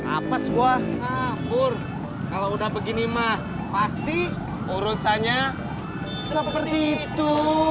apa sebuah apur kalau udah begini mah pasti urusannya seperti itu